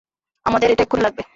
আমাদের এটা এক্ষুনি লাগবে।